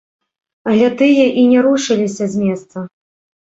Але тыя і не рушыліся з месца.